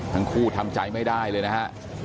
ทั้งคู่ทำใจไม่ได้เลยนะฮะ